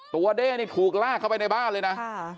เด้นี่ถูกลากเข้าไปในบ้านเลยนะ